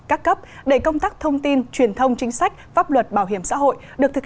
các cấp để công tác thông tin truyền thông chính sách pháp luật bảo hiểm xã hội được thực